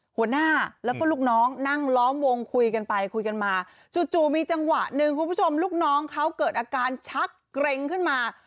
หัวหน้าแล้วก็ลูกน้องนั่งล้อมวงคุยกันไปคุยกันมาจู่มีจังหวะหนึ่งคุณผู้ชมลูกน้องเขาเกิดอาการชักเกร็งขึ้นมา